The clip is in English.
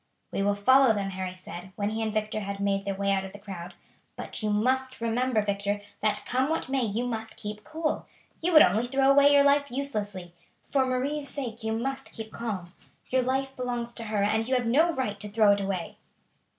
"We will follow them," Harry said, when he and Victor had made their way out of the crowd; "but you must remember, Victor, that, come what may, you must keep cool. You would only throw away your life uselessly; for Marie's sake you must keep calm. Your life belongs to her, and you have no right to throw it away."